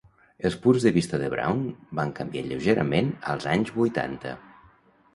Els punts de vista de Brown van canviar lleugerament als anys vuitanta.